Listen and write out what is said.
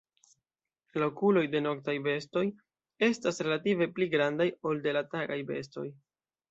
La okuloj de noktaj bestoj estas relative pli grandaj, ol de la tagaj bestoj.